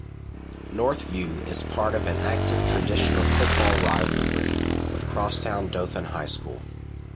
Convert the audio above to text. Northview is part of an active traditional football rivalry with crosstown Dothan High School.